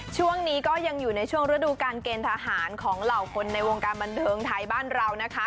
ช่วงนี้ก็ยังอยู่ในช่วงฤดูการเกณฑ์ทหารของเหล่าคนในวงการบันเทิงไทยบ้านเรานะคะ